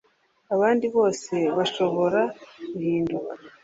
abandi bose bashobora guhinduka